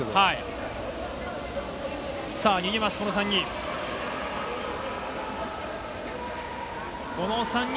さあ、逃げます、この３人。